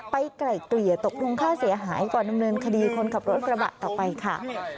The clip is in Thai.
ไกล่เกลี่ยตกลงค่าเสียหายก่อนดำเนินคดีคนขับรถกระบะต่อไปค่ะ